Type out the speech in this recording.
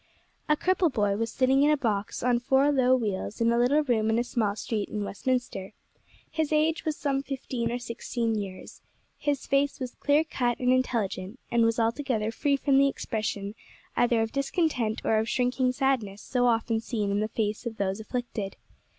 A CRIPPLE boy was sitting in a box on four low wheels, in a little room in a small street in Westminster; his age was some fifteen or sixteen years; his face was clear cut and intelligent, and was altogether free from the expression either of discontent or of shrinking sadness so often seen in the face of those afflicted.